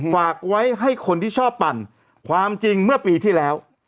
ฝากไว้ให้คนที่ชอบปั่นความจริงเมื่อปีที่แล้ว